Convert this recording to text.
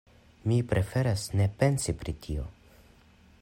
Mi preferas ne pensi pri tio.